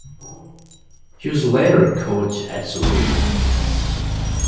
He was later coach at Surrey.